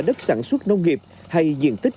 đất sản xuất nông nghiệp hay diện tích